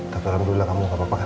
tapi alhamdulillah kamu gak apa apa